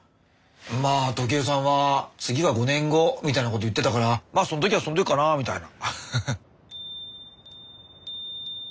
まあトキエさんは次が５年後みたいなこと言ってたからまあそん時はそん時かなぁみたいな。